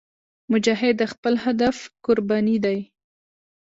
مجاهد د خپل هدف قرباني دی.